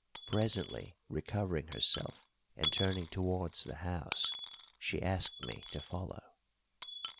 Presently recovering herself and turning towards the house, she asked me to follow.